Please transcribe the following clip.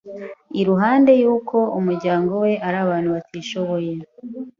iruhande y'uko umuryango we ari abantu batishoboye